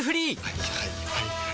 はいはいはいはい。